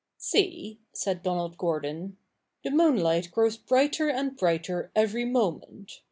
i, ' See,' said Dona^Jd Gqrdon, ' the moonlight grows brighter and brigh^jer every moment.